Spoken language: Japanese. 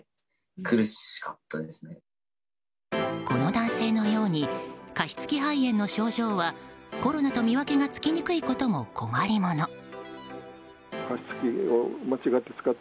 この男性のように加湿器肺炎の症状はコロナと見分けがつきにくいことも困りもの。